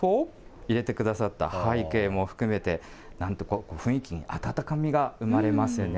入れてくださった背景も含めて、なんと、雰囲気に温かみが生まれますよね。